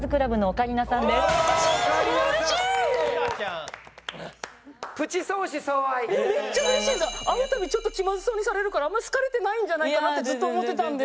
会う度ちょっと気まずそうにされるから好かれてないんじゃないかなってずっと思ってたんで。